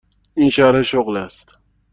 این شرح شغل است.